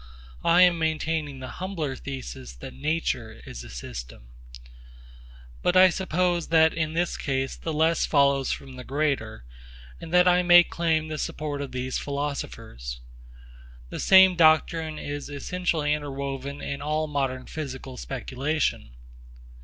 I am maintaining the humbler thesis that nature is a system. But I suppose that in this case the less follows from the greater, and that I may claim the support of these philosophers. The same doctrine is essentially interwoven in all modern physical speculation.